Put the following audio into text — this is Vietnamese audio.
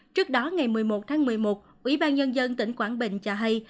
trước đó ngày một mươi một tháng một mươi một ủy ban nhân dân tỉnh quảng bình cho hay